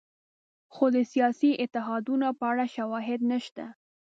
خو د سیاسي اتحادونو په اړه شواهد نشته.